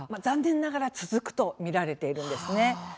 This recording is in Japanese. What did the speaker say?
残念ながら続くと見られているんですね。